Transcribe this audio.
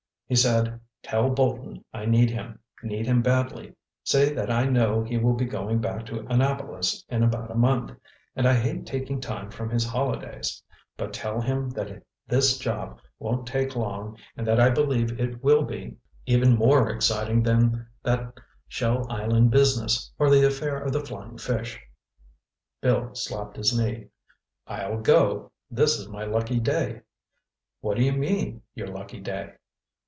He said 'Tell Bolton I need him—need him badly. Say that I know he will be going back to Annapolis in about a month, and I hate taking time from his holidays. But tell him that this job won't take long and that I believe it will be even more exciting than that Shell Island business, or the affair of the Flying Fish.'" Bill slapped his knee. "I'll go! This is my lucky day." "What do you mean, your lucky day?"